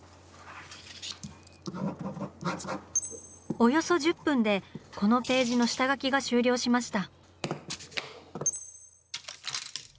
およそ１０分でこのページの下描きが終了しました。